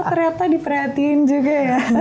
ternyata diperhatiin juga ya